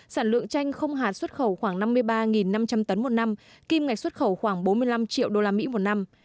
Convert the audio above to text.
sản lượng chanh không hạt xuất khẩu khoảng năm mươi ba năm trăm linh tấn một năm kim ngạch xuất khẩu khoảng bốn mươi năm triệu usd một năm